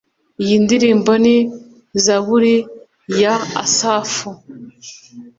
iyi ndirimbo ni zaburi ya asafu